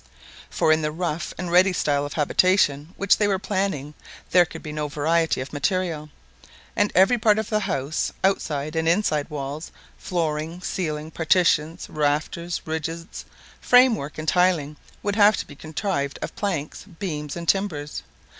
For in the rough and ready style of habitation which they were planning, there could be no variety of material; and every part of the house outside and inside walls, flooring, ceiling, partitions, rafters, ridges, framework, and tiling would have to be contrived of planks, beams, and timbers.